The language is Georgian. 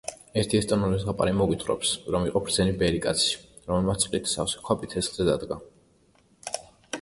ერთი ესტონური ზღაპარი მოგვითხრობს, რომ იყო ბრძენი ბერიკაცი, რომელმაც წყლით სავსე ქვაბი ცეცხლზე დადგა.